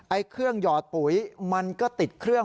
เครื่องหยอดปุ๋ยมันก็ติดเครื่อง